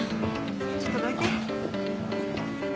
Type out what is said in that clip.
ちょっとどいて。